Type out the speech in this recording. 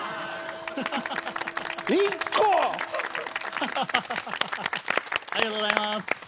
ハハハハハありがとうございます。